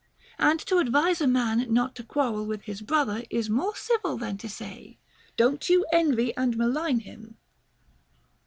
And to advise a man not to quarrel with his brother is more civil than to say, " Don't you envy and malign him."